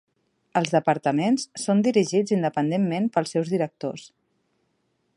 Els departaments són dirigits independentment pels seus directors.